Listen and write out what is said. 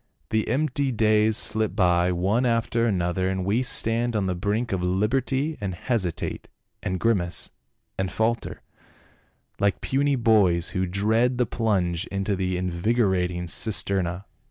The empty days slip by one after another, and we stand on the brink of liberty, and hesitate, and grimace, and falter, like puny boys who dread the plunge into the in vigorating cisterna."